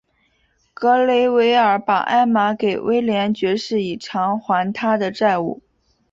格雷维尔把艾玛给威廉爵士以偿还他的债务。